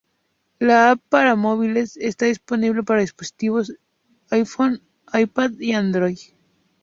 La App para móviles está disponible para dispositivos iPhone, iPad y Android.